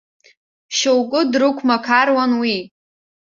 Шьоукы дрықәмақаруан уи.